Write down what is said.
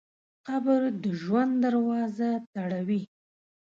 قبر د ژوند دروازه تړوي.